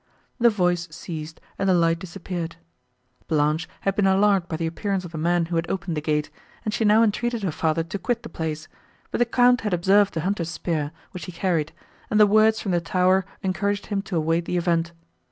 The voice ceased, and the light disappeared. Blanche had been alarmed by the appearance of the man, who had opened the gate, and she now entreated her father to quit the place; but the Count had observed the hunter's spear, which he carried; and the words from the tower encouraged him to await the event.